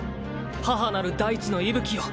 母なる大地の息吹よ